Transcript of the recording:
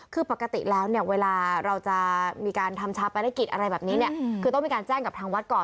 คือปกติแล้วเนี่ยเวลาเราจะมีการทำชาปนกิจอะไรแบบนี้เนี่ยคือต้องมีการแจ้งกับทางวัดก่อน